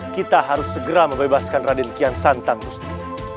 kita harus segera mebebaskan raden kian santang gusti